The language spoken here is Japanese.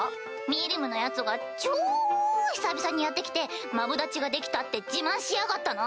ミリムのヤツが超久々にやって来てマブダチができたって自慢しやがったの！